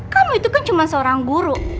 kamu itu kan cuma seorang guru